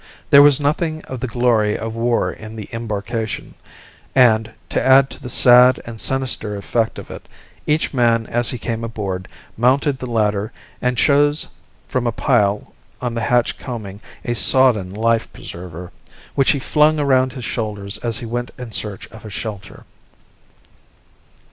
There was nothing of the glory of war in the embarkation, and, to add to the sad and sinister effect of it, each man as he came aboard mounted the ladder and chose, from a pile on the hatch combing, a sodden life preserver, which he flung around his shoulders as he went in search of a shelter.